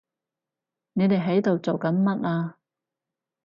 你哋喺度做緊乜啊？